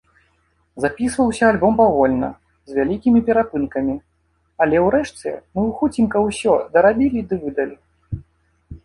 Запісваўся альбом павольна, з вялікімі перапынкамі, але ўрэшце мы хуценька ўсё дарабілі ды выдалі.